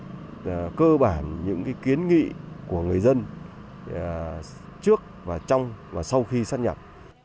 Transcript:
giải quyết cơ bản những kiến nghị của người dân trước và trong và sau khi sát nhập